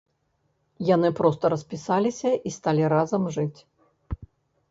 Яны проста распісаліся і сталі разам жыць.